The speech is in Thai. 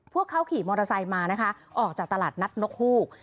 พวกเขาขี่มอเตอร์ไซค์มานะคะออกจากตลาดนัดนกฮูก